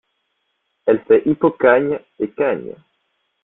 Elle fait hypokhâgne et khâgne.